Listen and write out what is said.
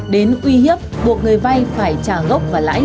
đến uy hiếp buộc người vay phải trả gốc và lãi